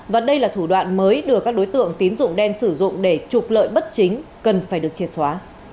và đây là thủ đoạn mới đưa các đối tượng tín dụng đen sử dụng để trục lợi bất chính cần phải được triệt xóa